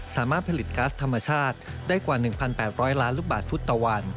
สามารถผลิตก๊าซธรรมชาติได้กว่า๑๘๐๐ล้านลูกบาทฟุตต่อวัน